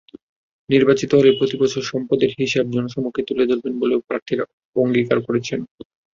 নির্বাচিত হলে প্রতিবছর সম্পদের হিসাব জনসমক্ষে তুলে ধরবেন বলেও প্রার্থীরা অঙ্গীকার করেছেন।